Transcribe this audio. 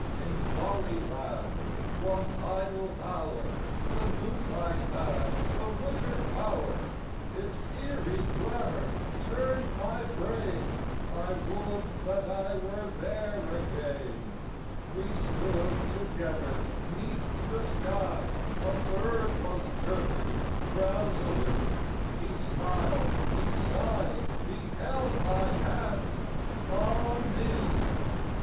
In Folly land, one idle hour, The moonlight had a wizard power ; Its eerie glamour turned my brain : (I would that I were there again !) 60 POLL Y LAND. 6l We stood together, 'neath the sky : A bird was chirping drowsily : He smiled, he sighed, he held my hand. Ah me